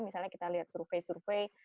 misalnya kita lihat survei survei